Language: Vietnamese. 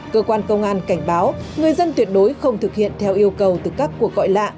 cơ quan công an cảnh báo người dân tuyệt đối không thực hiện theo yêu cầu tự cắt của cõi lạ